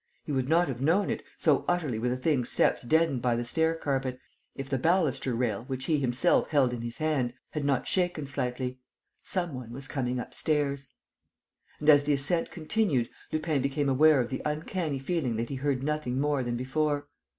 He would not have known it, so utterly were the thing's steps deadened by the stair carpet, if the baluster rail, which he himself held in his hand, had not shaken slightly. Some one was coming upstairs. And, as the ascent continued, Lupin became aware of the uncanny feeling that he heard nothing more than before.